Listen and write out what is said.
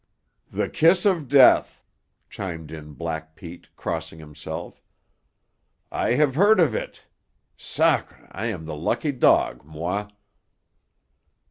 "The kiss of Death," chimed in Black Pete, crossing himself. "I have heard of eet. Sacré! I am the lucky dog, moi."